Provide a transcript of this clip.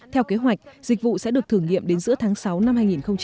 theo kế hoạch dịch vụ sẽ được thử nghiệm đến giữa tháng sáu năm hai nghìn một mươi chín